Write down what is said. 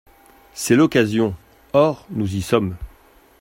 C’est l’occasion ! Or nous y sommes.